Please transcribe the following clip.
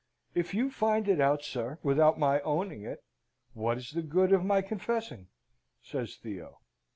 "If you find it out, sir, without my owning it, what is the good of my confessing?" says Theo.